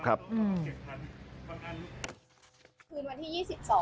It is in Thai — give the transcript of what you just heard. คืนวันที่๒๒